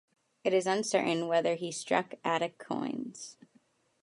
It is uncertain whether he struck Attic coins.